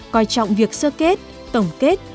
coi trọng việc sơ kết tổng kết